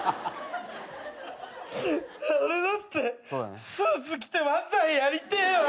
俺だってスーツ着て漫才やりてえわ。